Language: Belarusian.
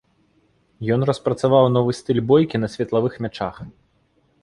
Ён распрацаваў новы стыль бойкі на светлавых мячах.